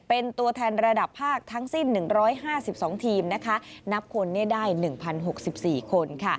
เป็นตัวแทนระดับภาคทั้งสิ้น๑๕๒ทีมนับคนได้๑๐๖๔คน